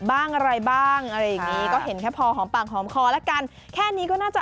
บ้างอะไรบ้างอะไรอย่างนี้ก็เห็นแค่พอหอมปากหอมคอแล้วกันแค่นี้ก็น่าจะ